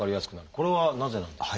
これはなぜなんでしょうか？